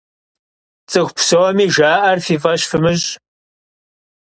ЦӀыху псоми жаӀэр фи фӀэщ фымыщӀ!